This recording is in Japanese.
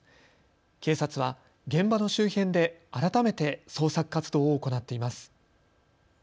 警察は現場の周辺で改めて捜索活動を行っています。